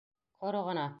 Ҡоро ғына: